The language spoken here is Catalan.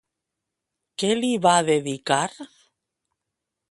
Què li va dedicar?